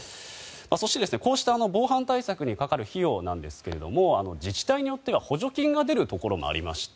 そして、こうした防犯対策にかかる費用ですが自治体によっては補助金が出るところもありまして。